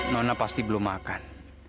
nona pasti belum makan